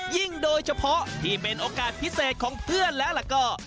โดยเฉพาะที่เป็นโอกาสพิเศษของเพื่อนแล้วก็